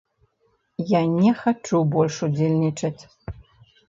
Я не хачу больш удзельнічаць.